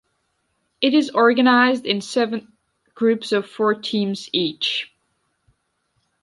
It is organized in seven groups of four teams each.